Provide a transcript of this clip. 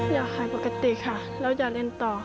อย่าหายปกติค่ะแล้วอย่าเล่นต่อ